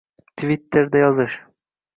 Twitterda yozish: